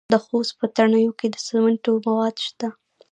د خوست په تڼیو کې د سمنټو مواد شته.